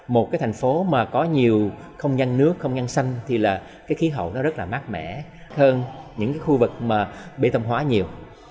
một thành phố có nhiều không gian nước không gian xanh thì khí hậu rất mát mẻ hơn những khu vực bệ tâm hóa nhiều